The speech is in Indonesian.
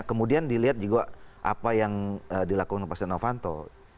kemudian dilihat juga apa yang dilakukan pak astiano vanto